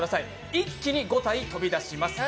一気に５体飛び出します。